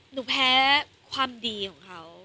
หนูแพ้ความดีของเขา